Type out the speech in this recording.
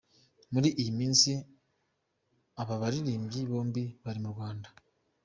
Muri iyi minsi aba baririmbyi bombi bari mu Rwanda.